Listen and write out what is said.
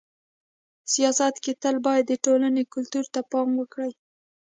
سیاست کي تل باید د ټولني کلتور ته پام وکړي.